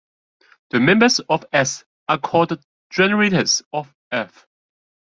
The members of "S" are called generators of "F".